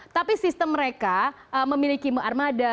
tapi sistem mereka memiliki muarmada